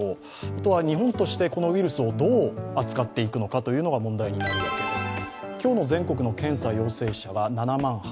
あとは日本としてこのウイルスをどう扱っていくのかが問題になるわけです。